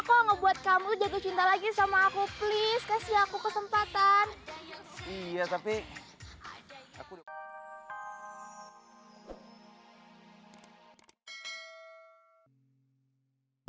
kok ngebuat kamu jago cinta lagi sama aku please kasih aku kesempatan iya tapi aku